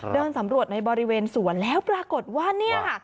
เดินสำรวจในบริเวณสวนแล้วปรากฏว่าเนี่ยค่ะ